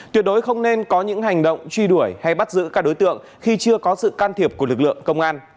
tuyệt đối không nên có những hành động truy đuổi hay bắt giữ các đối tượng khi chưa có sự can thiệp của lực lượng công an